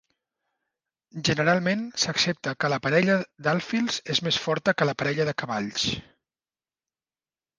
Generalment s'accepta que la parella d'alfils és més forta que la parella de cavalls.